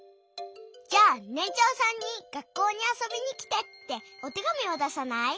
じゃあねんちょうさんに「学校にあそびにきて」っておてがみをださない？